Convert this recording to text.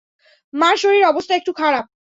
মার শরীরের অবস্থা একটু খারাপ।